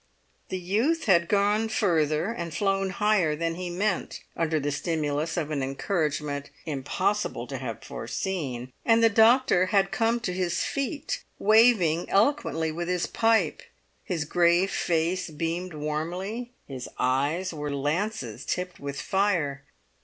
The youth had gone further and flown higher than he meant, under the stimulus of an encouragement impossible to have foreseen. And the doctor had come to his feet, waving eloquently with his pipe; his grey face beamed warmly; his eyes were lances tipped with fire.